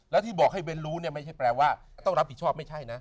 แล้วที่บอกให้เบ้นรู้เนี่ยไม่ใช่แปลว่าต้องรับผิดชอบไม่ใช่นะ